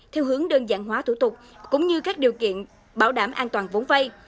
theo hướng đơn giản hóa thủ tục cũng như các điều kiện bảo đảm an toàn vốn vay